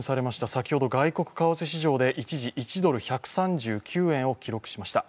先ほど外国為替市場で一時、１ドル＝１３９円を記録しました。